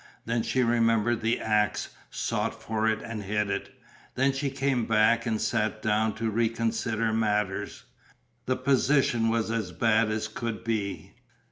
Then she remembered the axe, sought for it and hid it. Then she came back and sat down to reconsider matters. The position was as bad as could be.